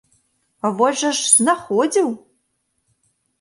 А вось жа ж знаходзіў!